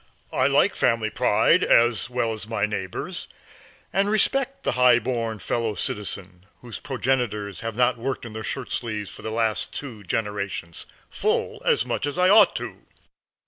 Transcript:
I like family pride as well as my neighbors, and respect the high born fellow citizen whose progenitors have not worked in their shirt sleeves for the last two generations full as much as I ought to.